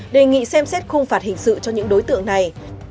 đề nghị xem xét khung phạt hình sự cho những đối tượng này